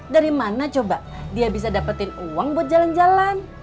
dari mana coba dia bisa dapetin uang buat jalan jalan